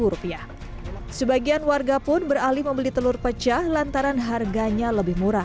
rp dua puluh tiga sebagian warga pun beralih membeli telur pecah lantaran harganya lebih murah